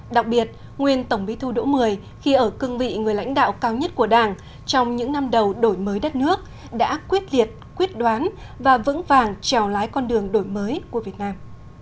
đặc biệt nguyên tổng bí thư đỗ mười khi ở cương vị người lãnh đạo cao nhất của đảng trong những năm đầu đổi mới đất nước đã quyết liệt quyết đoán và vững vàng trèo lái con đường đổi mới của việt nam